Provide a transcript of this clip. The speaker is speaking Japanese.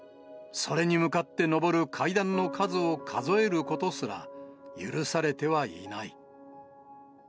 それに向かって昇る階段の数を数えることすら許されてはいない。